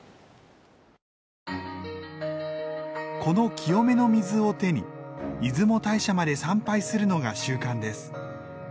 この清めの水を手に出雲大社まで参拝するのが習慣です。